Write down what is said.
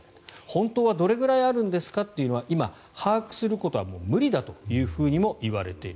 本当はどれぐらいあるんですかということは把握することは無理だといわれている。